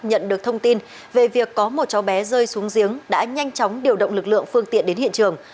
nhận được thông tin về việc có một cháu bé rơi xuống giếng đã nhanh chóng điều động lực lượng phương tiện đến hiện trường